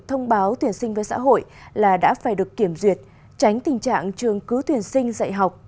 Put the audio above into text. thông báo tuyển sinh với xã hội là đã phải được kiểm duyệt tránh tình trạng trường cứ tuyển sinh dạy học